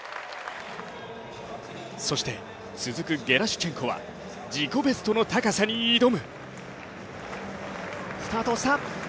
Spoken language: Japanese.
そして続くゲラシュチェンコは自己ベストの高さに挑む。